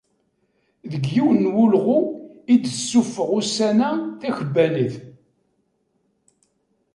Deg yiwen n wulɣu i d-tessufeɣ ussan-a tkebbanit.